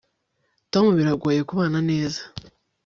tom biragoye kubana neza